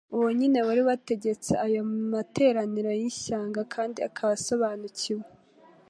Uwo nyine wari wategetse ayo materaniro y'ishyanga kandi akaba asobanukiwe